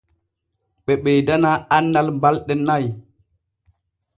Ɓe ɓeydana annal ɓalɗe nay.